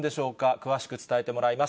詳しく伝えてもらいます。